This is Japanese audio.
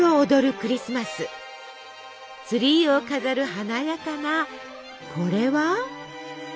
ツリーを飾る華やかなこれは？